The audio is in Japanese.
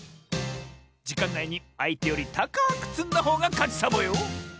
じかんないにあいてよりたかくつんだほうがかちサボよ！